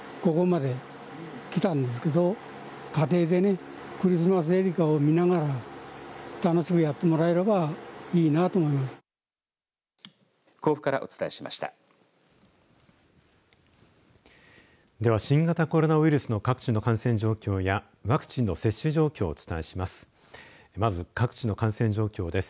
では、新型コロナウイルスの各地の感染状況やワクチンの接種状況をお伝えします。